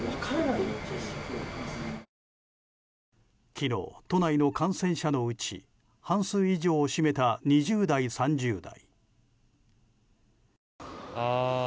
昨日、都内の感染者のうち半数以上を占めた２０代、３０代。